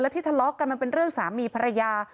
ที่ทะเลาะกันมันเป็นเรื่องสามีภรรยา